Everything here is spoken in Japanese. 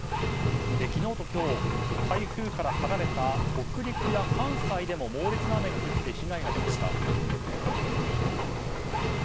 昨日と今日台風から離れた北陸や関西でも猛烈な雨が降って被害が出ました。